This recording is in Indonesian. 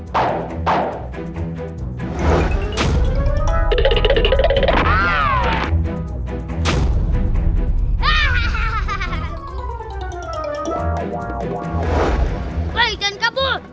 hai baik dan kabur ya